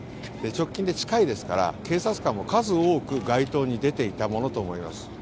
直近で近いですから警察官も数多く街頭に出ていたものと思われます。